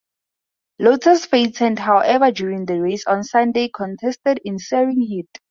Lotus fate turned however during the race on Sunday, contested in searing heat.